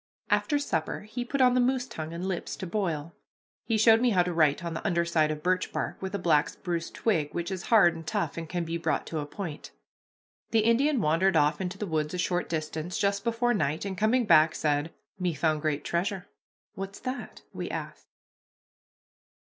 After supper he put on the moose tongue and lips to boil. He showed me how to write on the under side of birch bark with a black spruce twig, which is hard and tough and can be brought to a point. The Indian wandered off into the woods a short distance just before night, and, coming back, said, "Me found great treasure." "What's that?" we asked.